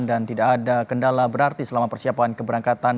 dan tidak ada kendala berarti selama persiapan keberangkatan